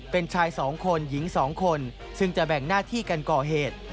เป็นชาย๒คนหญิง๒คนซึ่งจะแบ่งหน้าที่กันก่อเหตุ